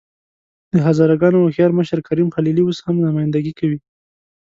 د هزاره ګانو هوښیار مشر کریم خلیلي اوس هم نمايندګي کوي.